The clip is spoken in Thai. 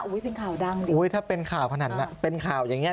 เป็นข่าวดังดิอุ้ยถ้าเป็นข่าวขนาดนั้นเป็นข่าวอย่างเงี้